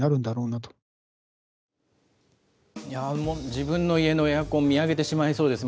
自分の家のエアコン、見上げてしまいそうです。